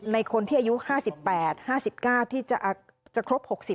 คนที่อายุ๕๘๕๙ที่จะครบ๖๐